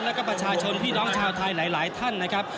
แล้วก็ประชาชนพี่น้องชาวไทยหลายท่านนะครับ